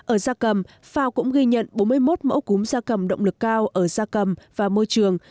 ở gia cầm phào cũng ghi nhận bốn mươi một mẫu cúm gia cầm động lực cao ở gia cầm và môi trường